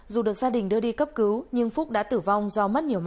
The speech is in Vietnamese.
dù được gia đình đưa đi cấp cứu nhưng phúc đã tử vong do mất nhiều máu